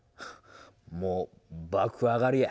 もう爆上がりや。